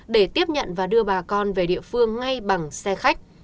để tiếp nhận và đưa bà con về địa phương ngay bằng xe khách